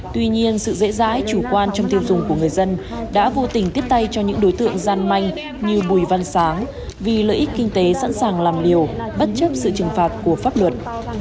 tuy nhiên sự dễ dãi chủ quan trong tiêu dùng của người dân đã vô tình tiếp tay cho những đối tượng gian manh như bùi văn sáng vì lợi ích kinh tế sẵn sàng làm liều bất chấp sự trừng phạt của pháp luật